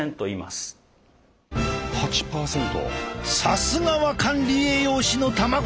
さすがは管理栄養士の卵たち！